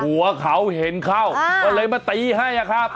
หัวเขาเห็นเข้าก็เลยมาตีให้อะครับ